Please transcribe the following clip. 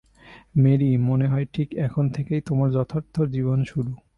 Marie, মনে হয়, ঠিক এখন থেকেই তোমার যথার্থ জীবন শুরু।